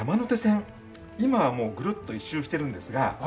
今はもうぐるっと１周してるんですが昔は。